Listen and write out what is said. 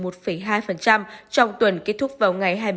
trong tuần kết thúc vào ngày